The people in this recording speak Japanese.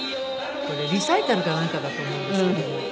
これリサイタルかなんかだと思うんですけど。